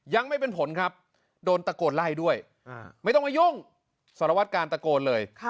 ยังไม่เป็นผลครับโดนตะโกนไล่ด้วยไม่ต้องมายุ่งสารวัตการตะโกนเลย